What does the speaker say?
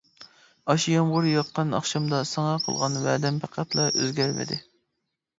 ئاشۇ يامغۇر ياغقان ئاخشامدا ساڭا قىلغان ۋەدەم پەقەتلا ئۆزگەرمىدى.